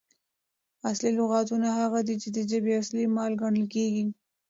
اصلي لغاتونه هغه دي، چي د ژبي اصلي مال ګڼل کیږي.